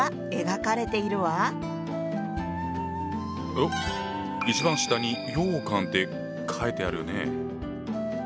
おっ一番下にようかんって書いてあるね。